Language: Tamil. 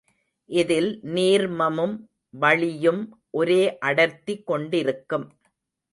இதில் நீர்மமும் வளியும் ஒரே அடர்த்தி கொண்டிருக்கும்.